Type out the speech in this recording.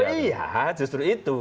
oh iya justru itu